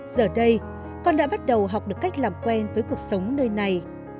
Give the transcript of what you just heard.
giờ đây con đã bắt đầu học được cách làm quen với cuộc sống nơi này